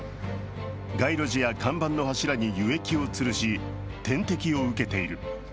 街路樹や看板の柱に輸液をつるし点滴を受けている。